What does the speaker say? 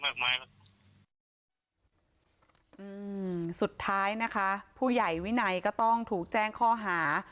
อืมสุดท้ายนะคะผู้ใหญ่วินัยก็ต้องถูกแจ้งข้อหา